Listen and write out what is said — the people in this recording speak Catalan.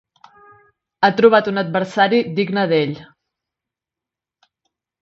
Ha trobat un adversari digne d'ell.